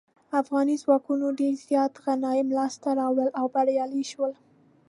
افغاني ځواکونو ډیر زیات غنایم لاسته راوړل او بریالي شول.